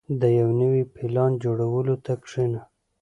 • د یو نوي پلان جوړولو ته کښېنه.